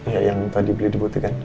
ya yang tadi beli di butik kan